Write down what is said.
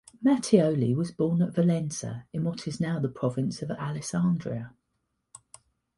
Mattioli was born at Valenza, in what is now the province of Alessandria.